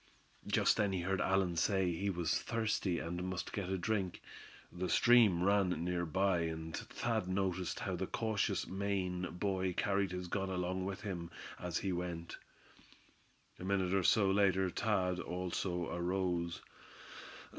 Just then he heard Allan say he was thirsty, and must get a drink. The stream ran near by, and Thad noticed how the cautious Maine boy carried his gun along with him as he went. A minute or so later Thad also arose.